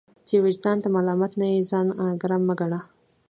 چي وجدان ته ملامت نه يې ځان ګرم مه ګڼه!